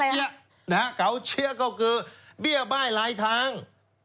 เก่าเจี้ยนะฮะเก่าเจี้ยก็คือเบี้ยไบ้หลายทาง